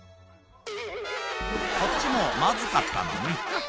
こっちもまずかったのね。